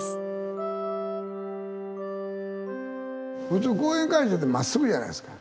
普通講演会場ってまっすぐじゃないですか。